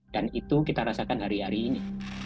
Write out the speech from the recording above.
dan itu kita rasakan hari hari ini